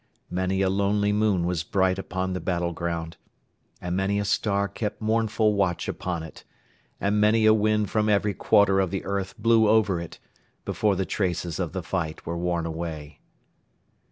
Many a lonely moon was bright upon the battle ground, and many a star kept mournful watch upon it, and many a wind from every quarter of the earth blew over it, before the traces of the fight were worn away.